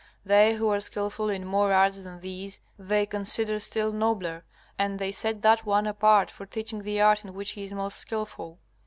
They who are skilful in more arts than these they consider still nobler, and they set that one apart for teaching the art in which he is most skilful.